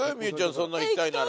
そんな行きたいなら。